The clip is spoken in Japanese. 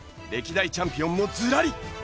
歴代チャンピオンもずらり！